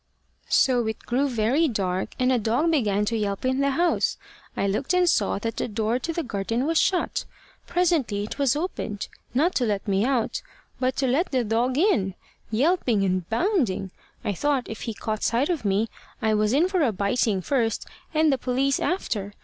"So it grew very dark; and a dog began to yelp in the house. I looked and saw that the door to the garden was shut. Presently it was opened not to let me out, but to let the dog in yelping and bounding. I thought if he caught sight of me, I was in for a biting first, and the police after.